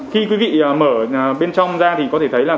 khi quý vị mở bên trong ra thì có thể thấy là